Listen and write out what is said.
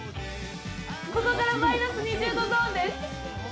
ここからマイナス２０度ゾーンです。